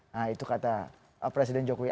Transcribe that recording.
nah itu kata presiden jokowi